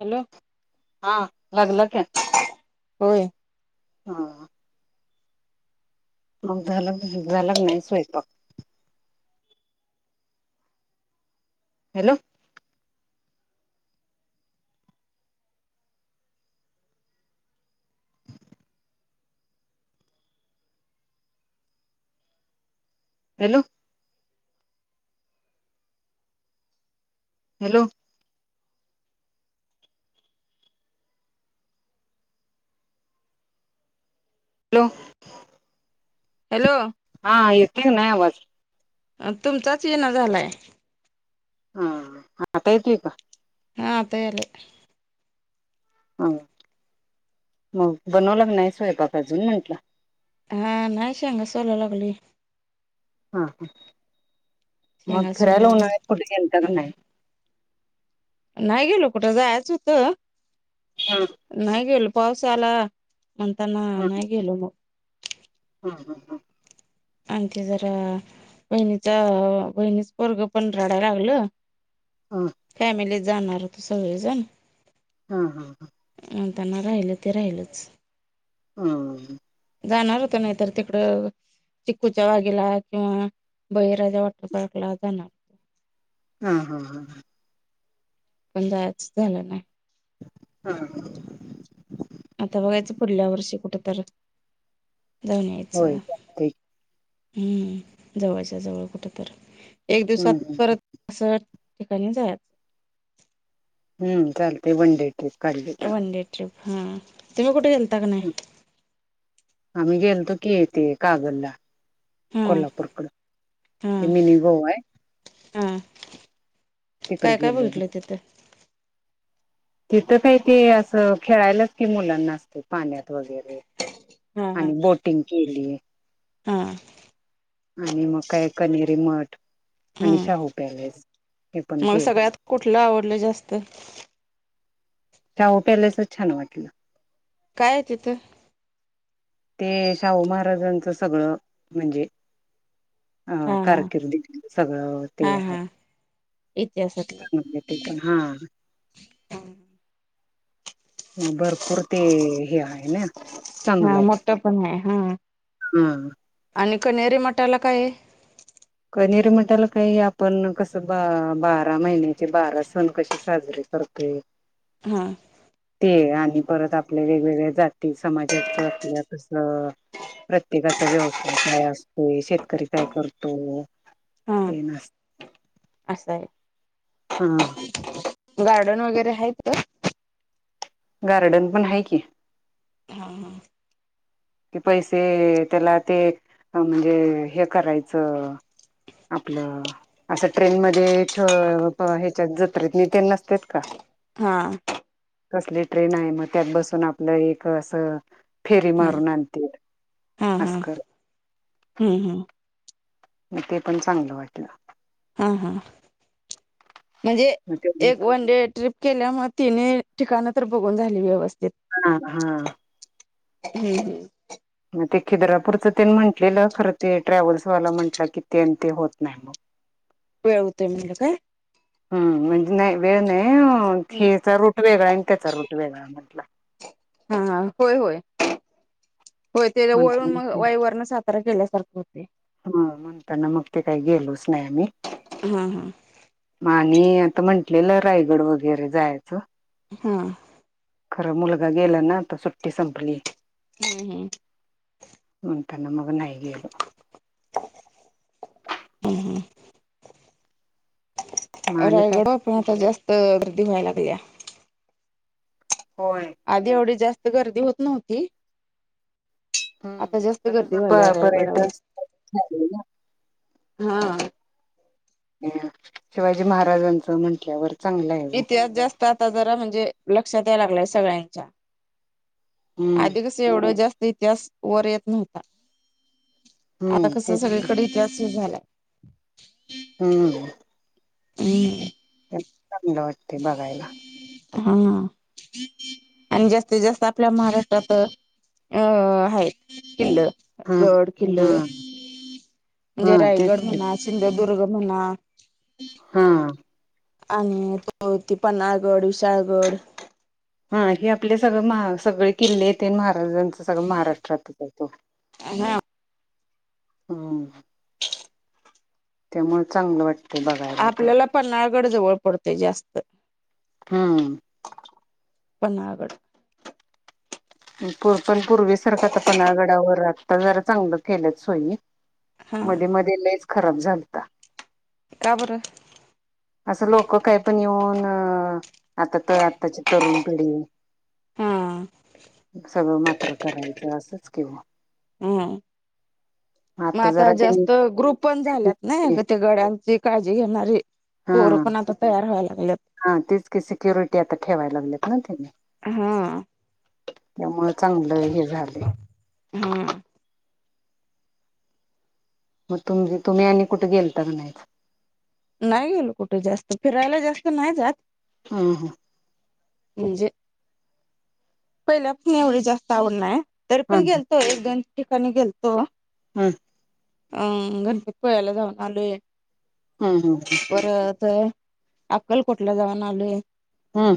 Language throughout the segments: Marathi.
हॅलो हा, लागला काय? होय. हा. मग झाला का नाही, झाला का नाही स्वयंपाक. Hello. Hello. Hello. Hello. Hello. हा. येतोय ना आवाज? अ, तुमचाच येईना झालाय? हा, आता येतोय का? हा, आता यालय. ह, मग बनवलं का नाही स्वयंपाक अजून म्हंटलं? हा, नाही शेंगा सोलाय लागलोय. हा ह! मग शेंगा फिरायला कुठं सोलून उन्हाळ्यात गेलता का नाही? नाही गेलो कुठं जायचं होत ह नाही गेलो. पाऊस आला म्हणताना नाही गेलो मग. हा! हा! हा! आणखी जरा बहिणीच बहिणीच पोरग पण रडायला लागलं, ह फॅमिलीच जाणार होतो सगळीजण. हा! हा! हा! त्यांना राहिलं ते राहिलंच. हम्! जाणार होत नाहीतर तिकडं चिक्कूच्या बागेला किंवा बळीराच्या वॉटर पार्कला जाणार हा हा हा हा हा. पण जायचंच झालं नाही. हा. आता बघायचं पुढल्या वर्षी कुठ तर, जाऊन होय यायचं. चालतंय हम्म! जवळच्या जवळ कुठ तर? एक हम्म दिवसात हम्म परत अस ठिकाणी जायच. हम्म! चालते वन डे ट्रिप काढली तर. वन डे ट्रिप हा तुम्ही कुठे गेलता का नाही? आम्ही गेलोतो की ते कागलला. हा कोल्हापूरकडे हा ते मिनी गोवा आहे. हा तिकडे काय काय गेलेलो बघितलं तिथं? तिथं काही ते असं खेळायलाच की मुलांना असते पाण्यात वगैरे. हा हा आणि बोटिंग केली. हा. आणि मग काय कनेरी मठ हा आणि शाहू पॅलेस. हे पण मग केलं सगळ्यात कुठलं आवडलं जास्त? शाहू पॅलेसच छान वाटल. काय आहे तिथं? ते शाहू महाराजांचं सगळं म्हणजे, अं हा हा कारकीर्दी सगळं ते हा आहे. हा इतिहासातलं ते पण हा. ह भरपूर ते हे आहे ना चांगलं हा आहे. मोठं पण आहे हम! कनेरीेमठाला काय आहे? कनेरी मठाला काही आपण कस बा बारा महिन्याचे बारा सण कसे साजरे करतोय हा ते आणि परत आपल्या वेगवेगळ्या, जाती समाजाचं आपल्या कसं प्रत्येकाचा व्यवसाय काय असतो? शेतकरी काय करतो? करतो हा तेन आस असं आहे, गार्डन वगैरे आहेत का? गार्डन पण आहे की. हा कि पैसे त्याला ते म्हणजे हे करायचं, आपलं असं ट्रेन मध्ये ह्याच्यात जत्रेत नितेन नसतात का? हा. कसली ट्रेन आहे मग त्यात बसून आपलं एक असं फेरी हा मारून आणते. हा, हा! हम्म, हम्म! मग ते पण चांगलं वाटलं. हा हा म्हणजे मग ते एक वन डे ट्रिप केल्यामुळे तिन्ही ठिकाण तर बघून झाली व्यवस्था हा हा. हम्म हम्म. मग ते खिद्रापूरचनी म्हटलेलं खर ते ट्रॅव्हल्स वाला म्हंटलं की ते ते होत नाही. मग वेळ होतेय म्हणाल काय हम् म्हणजे नाही वेळ नाही हेचा रोट वेगळा आहे त्याचा रोट वेगळा म्हटला हा, हा, होय, होय, होय. ते वळून मग म्हणताना वाय वरण सातरा केल्यासारखा हा म्हणताना मग ते काही गेलोच नाही आम्ही हा हा. मग आणि आता म्हंटलेलं रायगड वगैरे जायचं. हा. खरं मुलगा गेला ना तर सुट्टी संपली. म्हण त्यांना मग नाही गेल हम् हम्. मग आणि काय रायगडवर पण आता जास्त गर्दी व्हायला लागली या होय आधी एवढी जास्त गर्दी होत नव्हती. हम्म आता जास्त गर्दी व्ययल्या कसं रायगडावर पर्यटन स्थळ झालंय हा. शिवाजी महाराजांचं म्हंटल्या वरती इतिहास जास्त आता जरा म्हणजे लक्षात याय लागलाय सगळ्यांच्या हम्म आधी कस एवढा जास्त इतिहास वर येत नव्हता. आता हम्म कस तेच की. सगळीकडे इतिहास सुर झालाय हम्म. ह. चांगलं वाटते बघायला. हा आणि जास्तीत जास्त आपल्या महाराष्ट्रात अ हाय किल्ल हा गड किल्ल हा हा म्हणजे तेच रायगड की म्हणा दुर्ग म्हणा हा आणि तो त पन्नाळागड, विशाळगड हा हे आपले सगळं म सगळे किल्लेेते महाराजांच सगळं महाराष्ट्रातच तो हा. हम्. त्यामुळे चांगलं वाटतं. आपल्याला पन्हाळगड जवळ पडतेय जास्त. हम्म. पन्नाळागड. पण पूर्वीसारखा आता पन्नागडावर आत्ता जरा चांगलं केलंच सोई. हा मध्ये मध्ये लईच खराब झालता. का बर. असं लोक काय पण येऊन आता तर आत्ताची तरुण पिढी हा [inaudible] सगळं मात्र करायचं असंच केव. हा मग आता जास्त ग्रुप पण झाल्यात नाही ते गड्यांची काळजी घेणारी. पोर हा पण आता तयार व्हायलात. हा तीच की सिक्युरिटी आता ठेवाय लागलेत, ना हा त्यामुळ चांगलं हे झालेय. हा मग तुम तुम्ही आणि कुठे गेलता का? नाहीत. नाही गेलो कुठे जास्त फिरायला जास्त नाही जात हम हा म्हणजे पहिल्या पण एवढी जास्त आवड नाही तर पण हम्म गेलतो एक दोन ठिकाणी गेलतो हम अं गणपतीपुळ्याला जाऊन आलोय, हम्म हम्म हम्म परत अक्कलकोट ला जाऊन आलोय हम्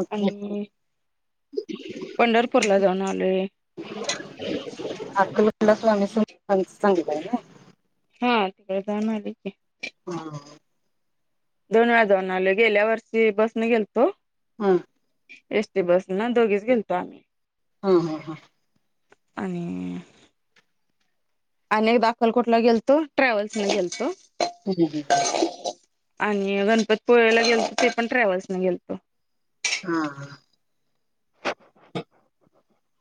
ओक पंढरपूर ला जाऊन आलोय अक्कलकोटला स्वामी समर्थांच चांगलं हाय नाय हा तिकडे जा नाक [unintelligible] हा. दोन वेळा जाऊन आले गेल्या वर्षी बसन गेलतो हा. एसटी बस ना दोघीच गेलतो आम्ही हा हा हा आणि अनेकदा अक्कलकोटला गेलतो ट्रॅव्हल्सने गेलतो हम् ह ह आणि गणपतपोळेला गेलतो, ते पण ट्रॅव्हल्स न गेलतो. हा हा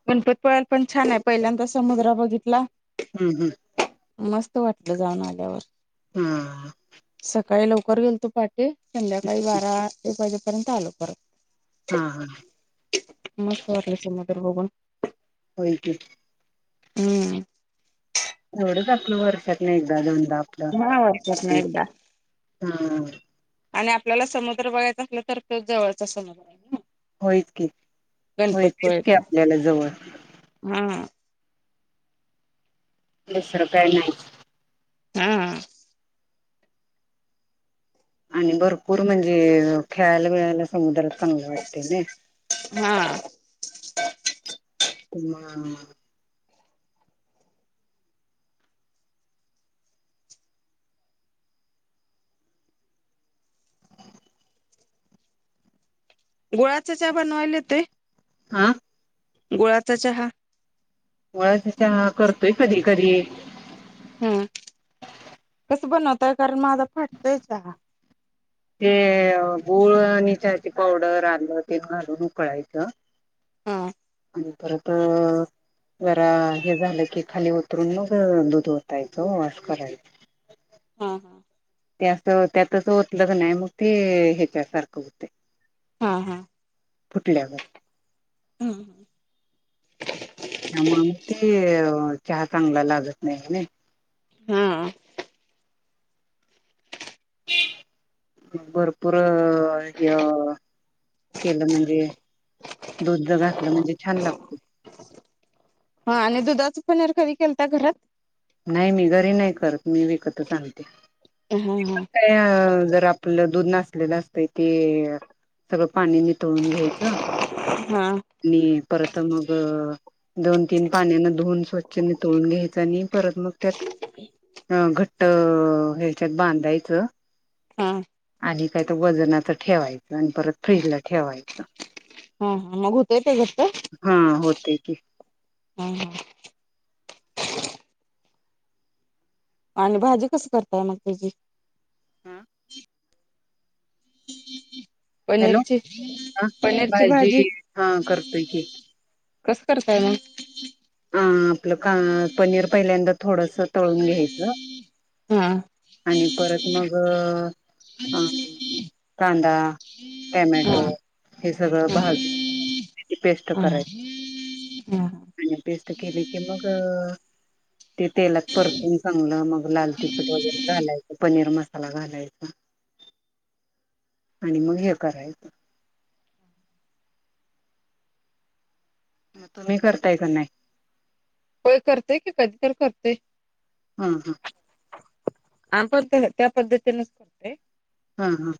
गणपतीपुळ्यात पण छान आहे पहिल्यांदा समुद्र बघितला हम्म हम्म मस्त वाटलं जाऊन आल्यावर. हमम सकाळी लवकर गेलतो पहाटे, संध्याकाळी बारा एक वाजेपर्यंत आलो परत. हा हा मस्त वाटले समुद्र बघून होय की हम्म तेवढेच आपलं वर्षातन एकदा दोनदा आपलं. हा वर्षात ना एकदा हम्म. आणि आपल्याला समुद्र बघायचा असलं तर, तोच जवळचा समुद्र आहे. होयच की होय तेच की गणपतपुळेचा, आपल्याला जवळ हा. दुसर काय नाही हा. आणि भरपूर म्हणजे खेळायला मिळायल. समुद्रात चांगलं वाटते ने हा. ह [unintelligible] गुळाच चहा बनवायला येतोय हह गुळाचा चहा. गुळाचा चहा करतोय कधी कधी हम्म कस बनवताय, कारण माझा फाटतोय चहा. ते गूळ निसाचे पावडर आलं ते घालून उकळायचं [unintelligible] हा. परत जरा हे झालं की खाली उतरून मग दूध ओतायचं वास करायच. हा, हा. त्या अस त्यातच होत लग नाही मग ते ह्याच्या सारखं होते. हा हा फुटल्यागत. [unintelligible] त्यामुळे म ते चहा चांगला लागत नाही. हा. भरपूर या. केलं म्हणजे दुध घातलं म्हणजे छान लागत. हा आणि दुधाच पनीर कध केलता घरात. नाही मी घरी नाही करतो. मी विकत सांगते हा हा जर आपलं दूध ना. असत ते सगळं पाणीने तोळून घ्यायचं हा आणि परत मग दोन तीन पाण्याना धुवून स्वच्छ न तोळून घ्यायचं आणि परत मग त्यात अ घट्ट ह्याच्यात बांधायचं. हा आणि काय तर वजनाच ठेवायचं, आणि परत फ्रीजला ठेवायचं. हा हा मग होतय ते घ हा होते की. हम् ह. आणि भाजी कस करताय मग तझी हम. हॅलो पनीरची हा पनीरची भाजी हा करतोय की कसं करताय म. अ आपलं का पनीर पहिल्यांदा थोडस तळून घ्यायच. हा आणि परत मग ह कांदा, हा टमॅटो, हे सगळं हा भाजून त्याची पेस्ट हा ह ह. टेस्ट केली की मग ते तेलात परतून चांगलं मग लाल तिखट वगैरे घालायचं पनीर मसाला घालायचा. आणि मग हे करायचं. म तुम्ही करताय का नाही. होय करते की कधी तर करते. हम् हम. आ पण त्या पद्धतीनच करते. हा हा.